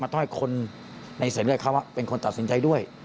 ต้องให้ใส่เรื่องของเขาเป็นคนตัดสินใจด้วย